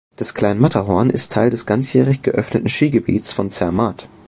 Das Klein Matterhorn ist Teil des ganzjährig geöffneten Skigebiets von Zermatt.